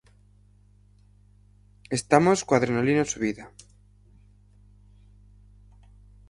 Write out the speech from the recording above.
Estamos coa adrenalina subida.